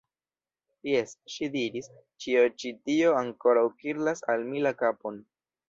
Jes, ŝi diris, ĉio ĉi tio ankoraŭ kirlas al mi la kapon.